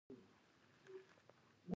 د دوی په هسته کې نفوذ ګران دی.